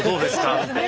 って。